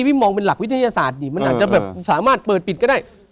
พี่มองเป็นหลักวิทยาศาสตร์ดิมันอาจจะแบบสามารถเปิดปิดก็ได้